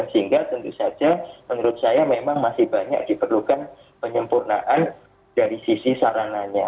sehingga tentu saja menurut saya memang masih banyak diperlukan penyempurnaan dari sisi sarananya